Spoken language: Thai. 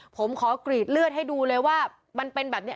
ผมขอกรีดเลือดให้ดูเลยว่ามันเป็นแบบนี้